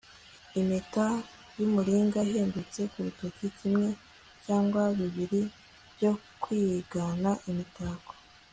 impeta y'umuringa ihendutse ku rutoki. kimwe cyangwa bibiri byo kwigana imitako